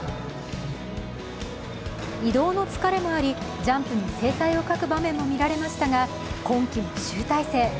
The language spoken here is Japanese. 移動の疲れもあり、ジャンプに精彩を欠く場面も見られましたが今季の集大成。